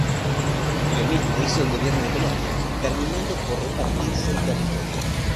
Lo mismo hizo el gobierno de Colombia, terminando por repartirse el territorio.